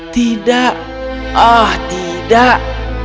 tidak ah tidak